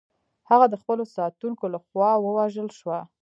هغه د خپلو ساتونکو لخوا ووژل شوه.